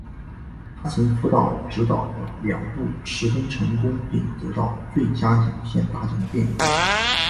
他也曾辅助执导了两部十分成功的并得到最佳影片大奖的电影。